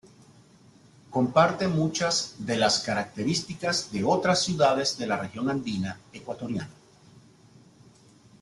Comparte muchas de las características de otras ciudades de la región andina ecuatoriana.